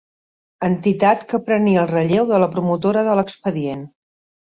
Entitat que prenia el relleu de la promotora de l’expedient.